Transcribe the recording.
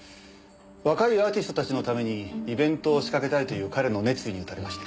若いアーティスト達のためにイベントを仕掛けたいという彼の熱意に打たれまして。